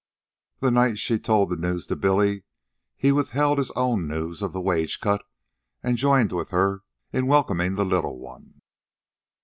The night she told the news to Billy, he withheld his own news of the wage cut, and joined with her in welcoming the little one.